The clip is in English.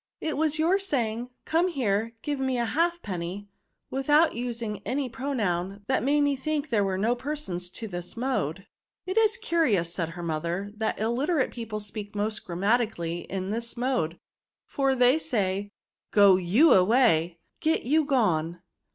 " It was your saying * Come here, give me a halfpenny,* without using any pronoun, that made me think there were no persons to this mode." " It is curious," said her mother, " that illiterate people speak most grammatically in this mode ; for they say, ' Go y(m away, get y€u gone.'